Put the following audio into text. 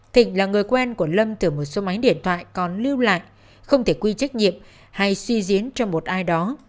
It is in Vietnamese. thịnh là người quen của lâm từ một số máy điện thoại còn lưu lại không thể quy trách nhiệm hay suy diễn cho một ai đó